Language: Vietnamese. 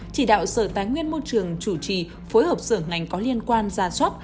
chỉ đạo sở tài nguyên môi trường chủ trì phối hợp sở ngành có liên quan ra soát